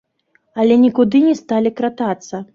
Але нікуды не сталі кратацца.